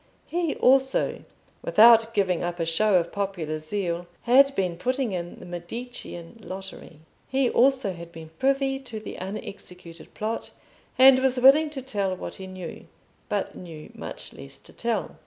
He also, without giving up a show of popular zeal, had been putting in the Medicean lottery. He also had been privy to the unexecuted plot, and was willing to tell what he knew, but knew much less to tell.